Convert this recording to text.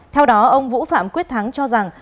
theo đó ông vũ phạm quyết thắng cho rằng